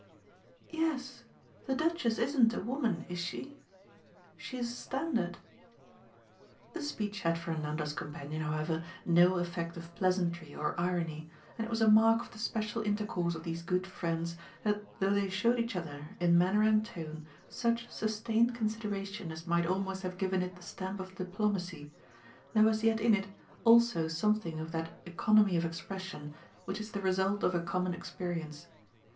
"Yes, the Duchess isn't a woman, is she? She's a standard." The speech had for Nanda's companion, however, no effect of pleasantry or irony, and it was a mark of the special intercourse of these good friends that though they showed each other, in manner and tone, such sustained consideration as might almost have given it the stamp of diplomacy, there was yet in it also something of that economy of expression which is the result of a common experience.